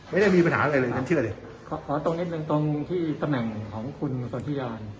ไม่ได้มีปัญหานั่นชื่อที่ต้นนั่นต้นที่ตำแหน่งของคุณที่ยา